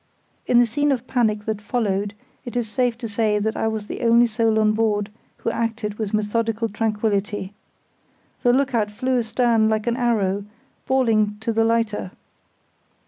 In the scene of panic that followed, it is safe to say that I was the only soul on board who acted with methodical tranquillity. The look out flew astern like an arrow, bawling to the lighter.